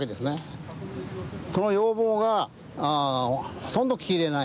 その要望がほとんど聞き入れない。